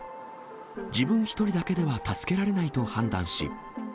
自分１人だけでは助けられないと判断し。